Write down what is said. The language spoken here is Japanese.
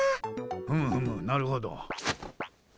ふむふむなるほど。